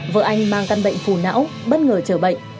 vợ anh mang căn bệnh phù não bất ngờ chở bệnh